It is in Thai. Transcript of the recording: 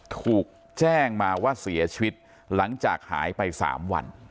ถูกแจ้งมาว่าเสียชีวิตหลังจากหายไป๓วัน